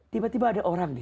tiba tiba ada orang nih